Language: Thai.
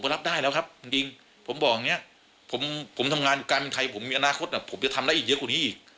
ผมบอกอย่างนี้ผมทำงานกลายบรรยายชาติในไพรมีอนาคตผมจะทำได้อีกเยอะกว่านี้อีก